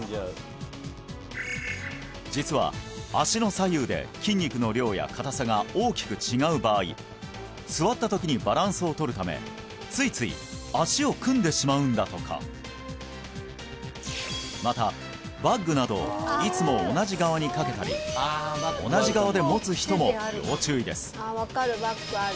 実は足の左右で筋肉の量や硬さが大きく違う場合座った時にバランスを取るためついつい足を組んでしまうんだとかまたバッグなどをいつも同じ側に掛けたり同じ側で持つ人も要注意です